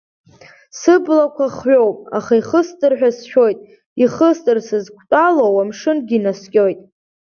Сыблақәа хҩоуп, аха ихыстыр ҳәа сшәоит, ихыстыр, сызхықәтәалоу амшынгьы наскьоит.